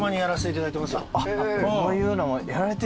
あっこういうのもやられてる。